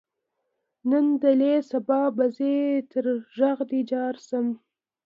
نن دلې سبا به ځې تر غږ دې جار شم.